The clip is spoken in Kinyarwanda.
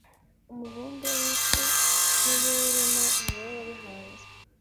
umubumbe w’isi n’ibiwurimo ni wowe wabihanze